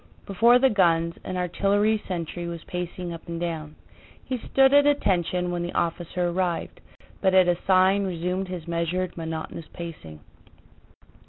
Before the guns an artillery sentry was pacing up and down; he stood at attention when the officer arrived, but at a sign resumed his measured, monotonous pacing.